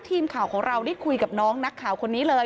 ทีมข่าวของเราได้คุยกับน้องนักข่าวคนนี้เลย